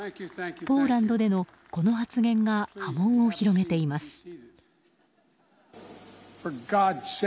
ポーランドでのこの発言が波紋を広げています。